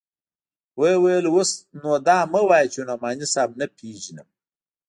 ويې ويل اوس نو دا مه وايه چې نعماني صاحب نه پېژنم.